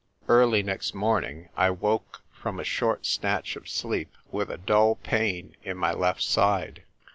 Early next morning I woke from a short snatch of sleep with a dull pain in my left side.